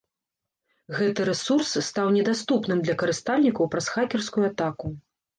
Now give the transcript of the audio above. Гэты рэсурс стаў недаступным для карыстальнікаў праз хакерскую атаку.